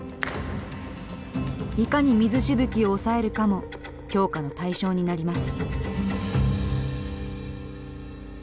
いかに水しぶきを抑えるかも評価の対象になります。